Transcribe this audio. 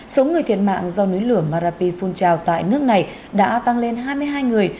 số người thiệt mạng do núi lửa marapi phun trào tại nước này đã tăng lên hai mươi hai người